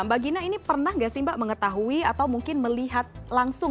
mbak gina ini pernah nggak sih mbak mengetahui atau mungkin melihat langsung